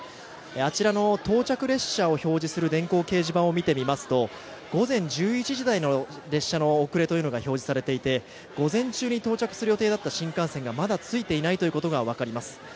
あちらの到着列車を表示する電光掲示板を見てみますと午前１１時台の列車の遅れというのが表示されていて午前中に到着する予定だった新幹線がまだ着いていないということが分かります。